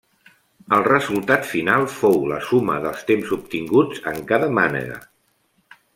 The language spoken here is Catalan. El resultat final fou la suma dels temps obtinguts en cada mànega.